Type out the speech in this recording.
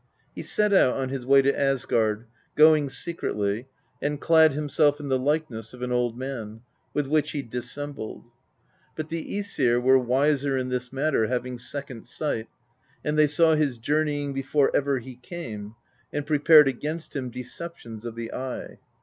He set out on his way to Asgard, going secretly, and clad himself in the likeness of an old man, with which he dissembled. But the ^Esir were wiser in this matter, having second sight; and they saw his journeying before ever he came, and prepared against him deceptions of the eye.